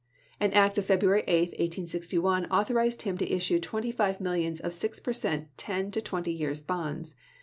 An act of February 8, 1861, authorized him to issue twenty five millions of six per cent, ten to twenty years' bonds.